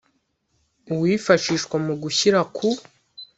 uwifashishwa mu gushyira ku